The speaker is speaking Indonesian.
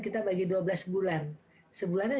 kita bagi dua belas bulan sebulannya